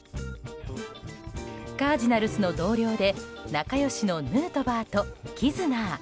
カージナルスの同僚で仲良しのヌートバーとキズナー。